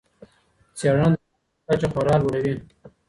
څېړنه د پوهاوي کچه خورا لوړوي.